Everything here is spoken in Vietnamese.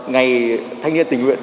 ngày thanh niên tình nguyện